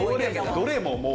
どれももう。